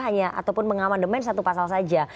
hanya ataupun mengamandemen satu pasal saja